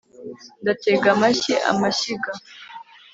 ndatega amashyi amashyiga